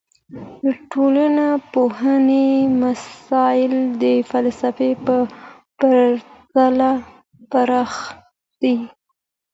د ټولنپوهني مسایل د فلسفې په پرتله پراخ دي.